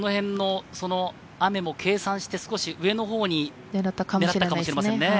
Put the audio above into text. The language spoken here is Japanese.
雨も計算して、少し上のほうに狙ったかもしれませんね。